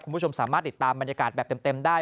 คุณผู้ชมสามารถติดตามบรรยากาศแบบเต็มได้